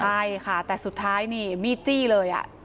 ใช่ค่ะแต่สุดท้ายนี่มีดจี้เลย